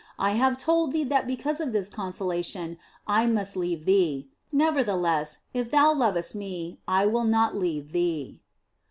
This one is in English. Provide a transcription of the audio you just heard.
I have told thee that be cause of this consolation I must leave thee ; nevertheless, if thou lovest Me, I will not leave thee."